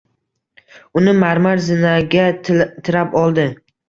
Uni marmar zinaga tirab oldi.